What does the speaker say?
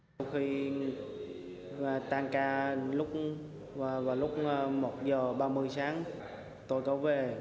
sau khi tan ca vào lúc một h ba mươi sáng tôi có về